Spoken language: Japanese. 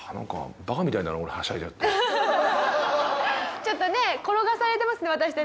ちょっとね転がされてますね私たち。